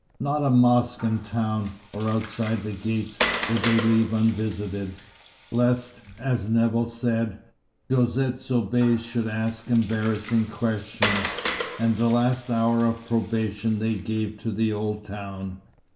Not a mosque in town, or outside the gates, did they leave unvisited, lest, as Nevill said, Josette Soubise should ask embarrassing questions; and the last hour of probation they gave to the old town.